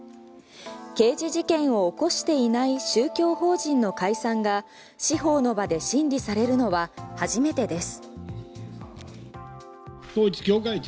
刑事事件を起こしていない宗教法人の解散が司法の場で審理されるのは初めてです。